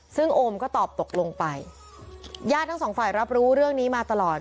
ซึ่งโอมก็ตอบตกลงไปญาติทั้งสองฝ่ายรับรู้เรื่องนี้มาตลอด